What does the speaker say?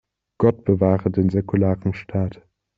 Gott bewahre den säkularen Staat!